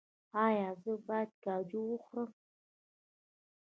ایا زه باید کاجو وخورم؟